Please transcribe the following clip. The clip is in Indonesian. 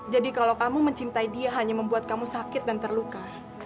jadi kalau kamu mencintai dia hanya membuat kamu sakit dan terluka